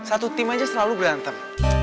satu tim aja selalu berantem